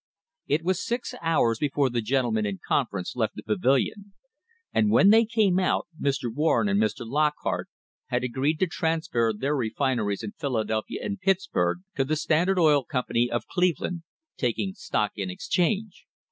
It was six hours before the gentlemen in confer ence left the pavilion, and when they came out Mr. War " In and Mr. Lockhart had agreed to transfer their refineries THE HISTORY OF THE STANDARD OIL COMPANY in Philadelphia and Pittsburg to the Standard Oil Company, of Cleveland, taking stock in exchange.